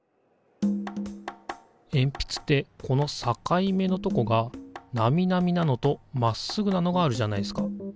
えんぴつってこの境目のとこがナミナミなのとまっすぐなのがあるじゃないですか。